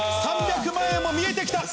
３００万円も見えて来た！